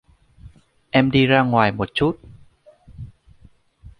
Em đi ra ngoài một chút